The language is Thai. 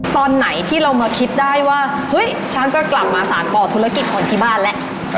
ตอนไหนที่เรามาคิดได้ว่าเฮ้ยฉันจะกลับมาสารต่อธุรกิจของที่บ้านแล้ว